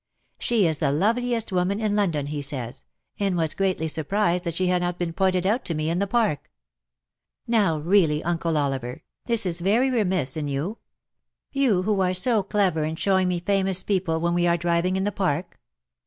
She is the loveliest woman in London, he says — and was greatly surprised that she had not been pointed out to me in the Park. Now really. Uncle Oliver, this is very remiss in you — you who are so clever in showing me famous people when we are driving in the Park.''"'